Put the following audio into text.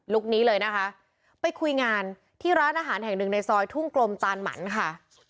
นี้เลยนะคะไปคุยงานที่ร้านอาหารแห่งหนึ่งในซอยทุ่งกลมตานหมันค่ะ